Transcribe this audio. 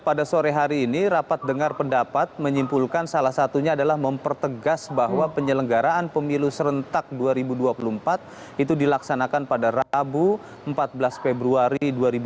pada sore hari ini rapat dengar pendapat menyimpulkan salah satunya adalah mempertegas bahwa penyelenggaraan pemilu serentak dua ribu dua puluh empat itu dilaksanakan pada rabu empat belas februari dua ribu dua puluh